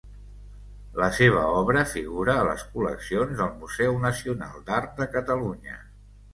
La seva obra figura a les col·leccions del Museu Nacional d'Art de Catalunya.